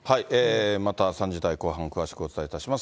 また３時台後半、詳しくお伝えします。